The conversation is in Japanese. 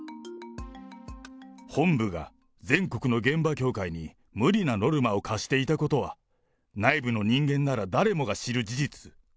本部が全国の現場教会に無理なノルマを課していたことは、内部の人間なら誰もが知る事実。